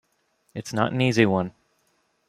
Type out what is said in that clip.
It's not an easy one.